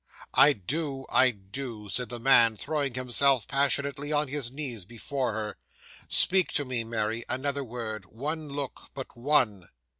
'"I do, I do," said the man, throwing himself passionately on his knees before her. "Speak to me, Mary, another word; one look but one!"